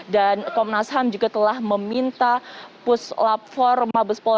dan komnas ham juga telah meminta puslap